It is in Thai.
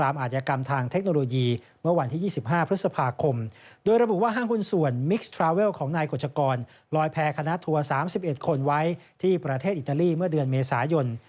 มิคส์ทราเวลของนายกฎชกรลอยแพ้คณะทัวร์๓๑คนไว้ที่ประเทศอิตาลีเมื่อเดือนเมษายน